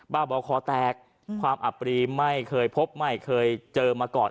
้าบอคอแตกความอับปรีไม่เคยพบไม่เคยเจอมาก่อน